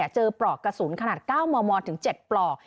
ปลอกกระสุนขนาด๙มมถึง๗ปลอก